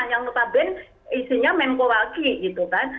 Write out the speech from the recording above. yang notabene isinya memko walkie gitu kan